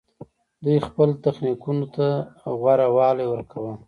دوی خپل تخنیکونو ته غوره والی ورکاوه